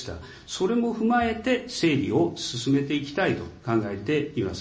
それも踏まえて整理を進めていきたいと考えています。